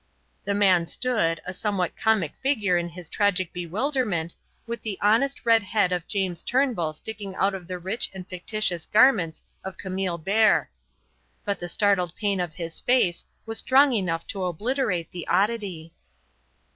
The man stood, a somewhat comic figure in his tragic bewilderment, with the honest red head of James Turnbull sticking out of the rich and fictitious garments of Camille Bert. But the startled pain of his face was strong enough to obliterate the oddity.